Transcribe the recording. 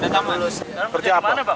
kerja di mana pak